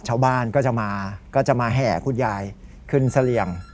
ชาวบ้านก็จะมาก็จะมาแห่คุณยายขึ้นเสลี่ยง